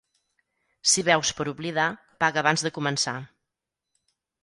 Si beus per oblidar, paga abans de començar.